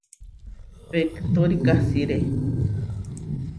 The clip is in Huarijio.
Pehtóri kasiré.